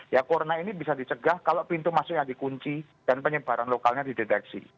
ya corona ini bisa dicegah kalau pintu masuknya dikunci dan penyebaran lokalnya dideteksi